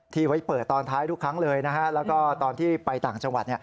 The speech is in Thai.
ไว้เปิดตอนท้ายทุกครั้งเลยนะฮะแล้วก็ตอนที่ไปต่างจังหวัด